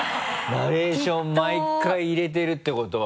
ナレーション毎回入れてるってことは。